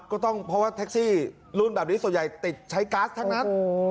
ก็ต้องเพราะว่าแท็กซี่รุ่นแบบนี้ส่วนใหญ่ติดใช้ก๊าซทั้งนั้น